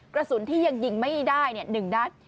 กระสุนที่ยังยิงไม่ได้๑นัด